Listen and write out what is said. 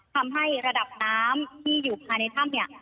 ทำให้ระดับน้ำที่อยู่ภายในถ้ำเนี่ย